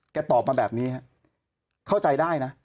ตอบมาแบบนี้ฮะเข้าใจได้นะ